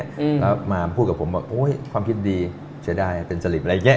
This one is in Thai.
แล้วมาพูดกับผมว่าความคิดดีเฉยเป็นสลิปอะไรอย่างนี้